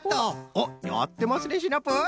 おっやってますねシナプー。